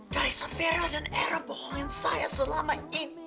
dari savera dan ero bohongin saya selama ini